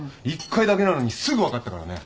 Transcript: １回だけなのにすぐ分かったからね。